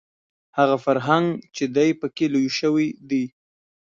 هغه فرهنګ چې دی په کې لوی شوی دی